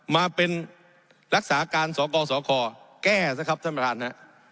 มาเป็นรักษาการสกสคแก้สิครับท่านประธานฮะ